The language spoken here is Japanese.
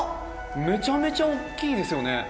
めちゃめちゃおっきいですよね。